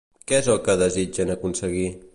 Què és el que desitgen aconseguir?